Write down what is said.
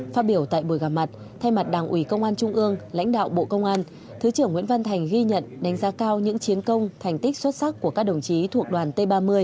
phát biểu tại buổi gặp mặt thay mặt đảng ủy công an trung ương lãnh đạo bộ công an thứ trưởng nguyễn văn thành ghi nhận đánh giá cao những chiến công thành tích xuất sắc của các đồng chí thuộc đoàn t ba mươi